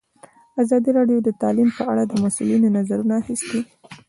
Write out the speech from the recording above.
ازادي راډیو د تعلیم په اړه د مسؤلینو نظرونه اخیستي.